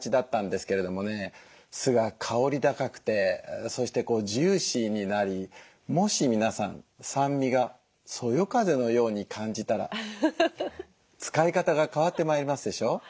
酢が香り高くてそしてジューシーになりもし皆さん酸味がそよ風のように感じたら使い方が変わってまいりますでしょ。